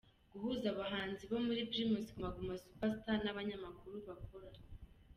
guhuza abahanzi bari muri Primus Guma Guma Super Star nabanyamakuru bakora.